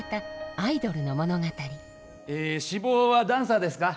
え志望はダンサーですか？